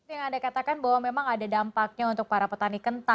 yang anda katakan bahwa memang ada dampaknya untuk para petani kental